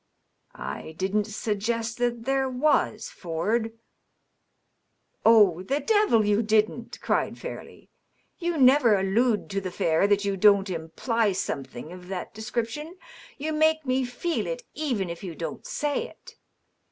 " I didn't surest that there was, Ford." " Oh, the devil you didn't !" cried Fairleigh. " You never allude to the aflfair that you don't imply something of that description. You make me feel it, even if you oon't say it.